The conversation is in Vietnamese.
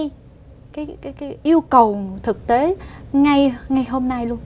để đáp ứng ngay cái yêu cầu thực tế ngay hôm nay luôn